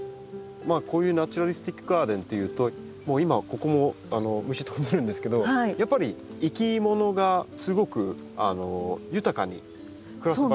こういうナチュラリスティック・ガーデンっていうともう今ここも虫飛んでるんですけどやっぱり生き物がすごく豊かに暮らす場所でもあるんだなと。